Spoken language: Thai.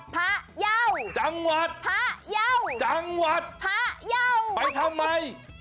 ภาเย่าจังหวัดภาเย่าจังหวัดภาเย่าไปทำไม